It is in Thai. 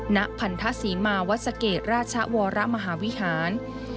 ณพันธศรีมาวัดสะเกดราชวรมหาวิหาร